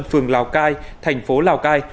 phường lào cai thành phố lào cai